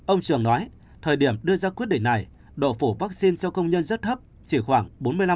ông trường nói thời điểm đưa ra quyết định này độ phủ vaccine cho công nhân rất thấp chỉ khoảng bốn mươi năm